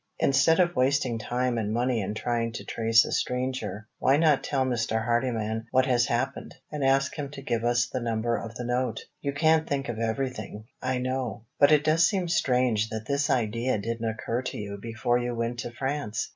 Instead of wasting time and money in trying to trace a stranger, why not tell Mr. Hardyman what has happened, and ask him to give us the number of the note? You can't think of everything, I know; but it does seem strange that this idea didn't occur to you before you went to France."